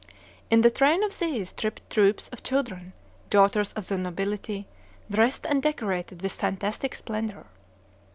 In the train of these tripped troops of children, daughters of the nobility, dressed and decorated with fantastic splendor.